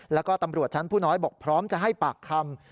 แล้วก็ตำรวจชั้นผู้น้อยบอกพร้อมจะให้ปากคำ